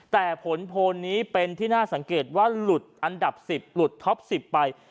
แต่ผลโพลนี้เป็นที่น่าสังเกตว่าหลุดอันดับ๑๐หลุดท็อป๑๐ไป